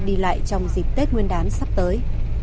đi lại trong dịp tết nguyên đán sắp tới